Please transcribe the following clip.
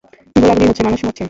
গোলাগুলি হচ্ছে, মানুষ মরছে।